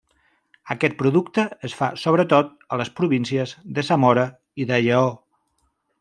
Aquest producte es fa sobretot a les províncies de Zamora i de Lleó.